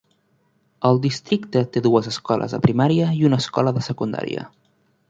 El districte té dues escoles de primària i una escola de secundària.